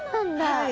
はい。